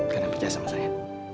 kalian percaya sama saya